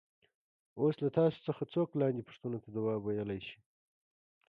اوس له تاسو څخه څوک لاندې پوښتنو ته ځواب ویلای شي.